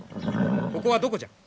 ここはどこじゃ？